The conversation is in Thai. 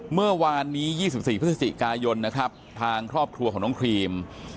เมื่อวานนี้๒๔พฤศจิกายนนะครับทางครอบครัวของน้องครีม